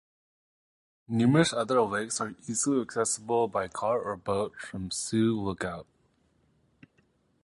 Numerous other lakes are easily accessible by car or boat from Sioux Lookout.